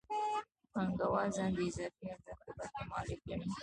پانګوال ځان د اضافي ارزښت د برخې مالک ګڼي